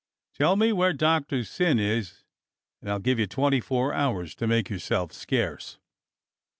Tell me where Doctor Syn is and I'll give you twenty four hours to make yourself scarce."